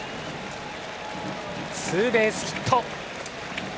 ツーベースヒット。